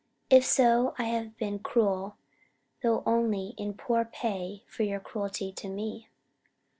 If so, I have been Cruel, though only in Poor pay for your Cruelty to me.